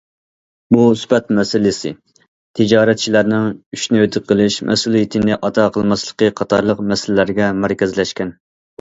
بۇ سۈپەت مەسىلىسى، تىجارەتچىلەرنىڭ‹‹ ئۈچنى ھۆددە قىلىش›› مەسئۇلىيىتىنى ئادا قىلماسلىقى قاتارلىق مەسىلىلەرگە مەركەزلەشكەن.